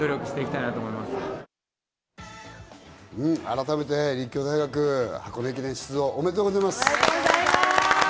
改めて立教大学、箱根駅伝出場、おめでとうございます！